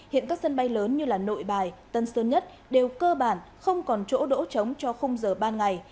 hiện các sân bay lớn như nội bài tân sơn nhất đều cơ bản không còn chỗ đỗ trống cho không giờ ban ngày